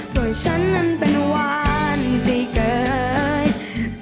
เพราะฉันนั้นเป็นวันที่เกิด